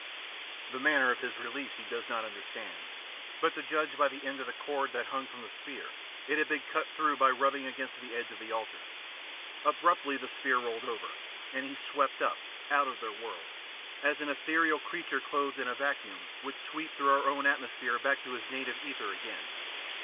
The manner of his release he does not understand, but to judge by the end of cord that hung from the sphere, it had been cut through by rubbing against the edge of the altar. Abruptly the sphere rolled over, and he swept up, out of their world, as an ethereal creature clothed in a vacuum would sweep through our own atmosphere back to its native ether again.